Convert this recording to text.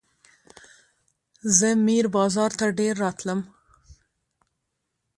زه میر بازار ته ډېر راتلم.